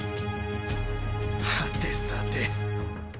はてさて。